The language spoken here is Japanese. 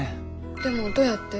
でもどうやって？